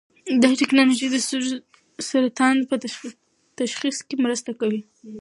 دا ټېکنالوژي د سږو سرطان په تشخیص کې مرسته کوي.